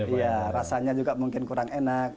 iya rasanya juga mungkin kurang enak